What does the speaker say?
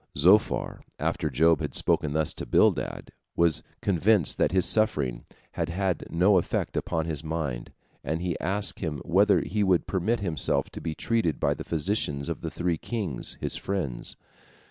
Zophar, after Job had spoken thus to Bildad, was convinced that his suffering had had no effect upon his mind, and he asked him whether he would permit himself to be treated by the physicians of the three kings, his friends.